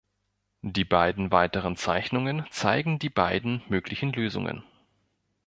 Die beiden weiteren Zeichnungen zeigen die beiden möglichen Lösungen.